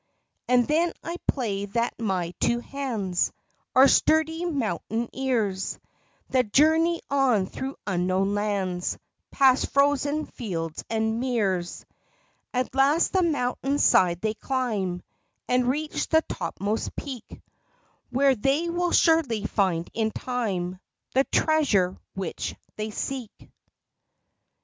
And then I play that my two hands Are sturdy mountaineers, That journey on through unknown lands, Past frozen fields, and meres; At last the mountain side they climb, And reach the topmost peak, Where they will surely find in time The treasure which they seek.